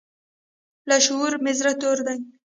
له شعرونو مې زړه تور دی